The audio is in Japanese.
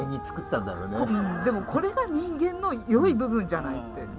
でもこれが人間のよい部分じゃないって。